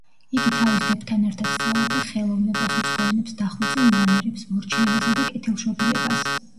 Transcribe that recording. იგი თავის დებთან ერთად სწავლობდა ხელოვნებას, უცხო ენებს, დახვეწილ მანერებს, მორჩილებასა და კეთილშობილებას.